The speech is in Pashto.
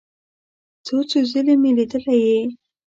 څو څو ځله مې لیدلی یې.